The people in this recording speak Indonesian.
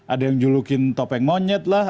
ada yang julukin topeng monyet lah